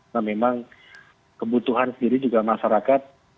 nah memang kebutuhan sendiri juga masyarakat